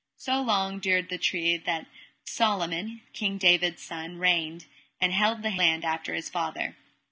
So long dured the tree till that Solomon, King David's son, reigned, and held the land after his father.